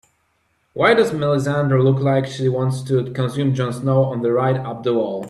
Why does Melissandre look like she wants to consume Jon Snow on the ride up the wall?